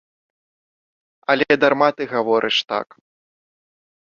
Але дарма ты гаворыш так.